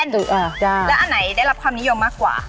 แล้วอันไหนได้รับความนิยมมากกว่า